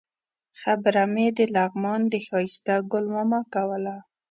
خبره مې د لغمان د ښایسته ګل ماما کوله.